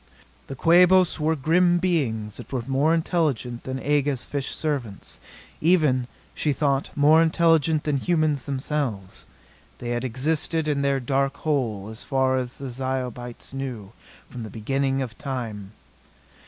The Quabos were grim beings that were more intelligent than Aga's fish servants even, she thought, more intelligent than humans themselves. They had existed in their dark hole, as far as the Zyobites knew, from the beginning of time.